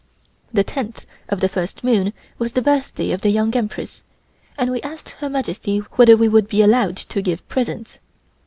The tenth of the first moon was the birthday of the Young Empress, and we asked Her Majesty whether we would be allowed to give presents.